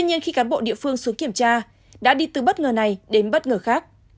các cán bộ địa phương xuống kiểm tra đã đi từ bất ngờ này đến bất ngờ khác